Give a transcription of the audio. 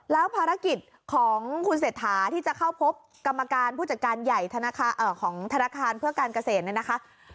แล้วภารกิจของคุณเศรษฐาที่จะเข้าพบกรรมการผู้จัดการใหญ่ของธนาคารเพื่อการเกษตรเนี่ยนะคะ